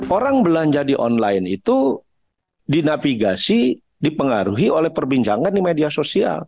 orang belanja di online itu dinavigasi dipengaruhi oleh perbincangan di media sosial